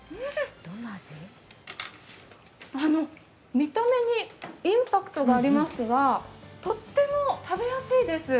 見た目にインパクトがありますがとっても食べやすいです。